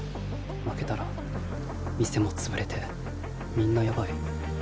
負けたら店も潰れてみんなやばい。